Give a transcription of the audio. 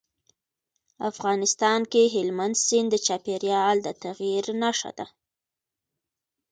افغانستان کې هلمند سیند د چاپېریال د تغیر نښه ده.